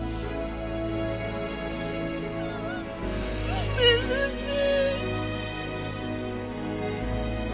ごめんなさい。